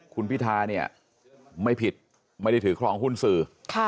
คุณพิธาเนี่ยไม่ผิดไม่ได้ถือครองหุ้นสื่อ